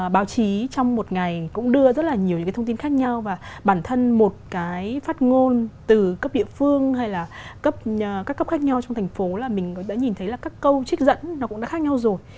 báo chí trong một ngày cũng đưa rất là nhiều những cái thông tin khác nhau và bản thân một cái phát ngôn từ cấp địa phương hay là các cấp khác nhau trong thành phố là mình đã nhìn thấy là các câu trích dẫn nó cũng đã khác nhau rồi